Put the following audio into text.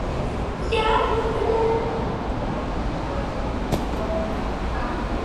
აქვე დაასრულა ნიკო ფიროსმანმა მისი კიდევ ორი ცნობილი ტილო, „ორთაჭალის ტურფები“ და „ჟირაფი“.